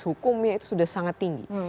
hukumnya itu sudah sangat tinggi